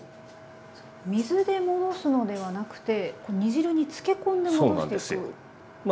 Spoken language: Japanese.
水で戻すのではなくて煮汁につけこんで戻していく。